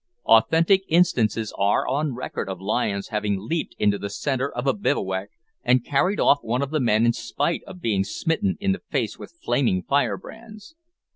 Authentic instances are on record of lions having leaped into the centre of a bivouac, and carried off one of the men in spite of being smitten in the face with flaming firebrands.